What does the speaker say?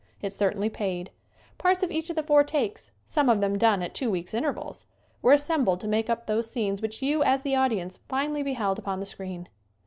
It certainly paid. Parts of each of the four takes some of them done at two weeks' intervals were assembled to make up those scenes which you, as the audi ence, finally beheld upon the screen.